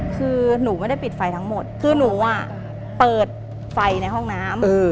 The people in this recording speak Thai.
คือหนูไม่ได้ปิดไฟทั้งหมดคือหนูเปิดไฟในห้องน้ำ